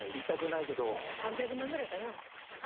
３００万ぐらいかな。